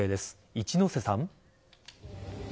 一之瀬さん。